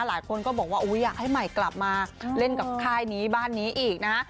หลายคนก็บอกว่าอยากให้ใหม่กลับมาเล่นกับค่ายนี้บ้านนี้อีกนะฮะ